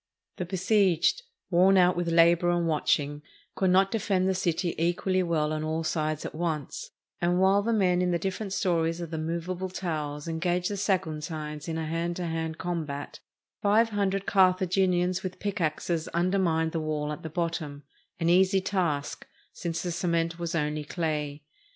The besieged, worn out with labor and watching, could not defend the city equally well on all sides at once; and while the men in the different stories of the movable towers engaged the Saguntines in a hand to hand com 425 SPAIN bat, five hundred Carthaginians with pickaxes under mined the wall at the bottom — an easy task, since the cement was only clay.